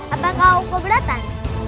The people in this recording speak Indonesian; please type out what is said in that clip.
apakah aku beratan